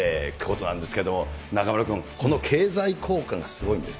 ことなんですけれども、中丸君、この経済効果がすごいんです。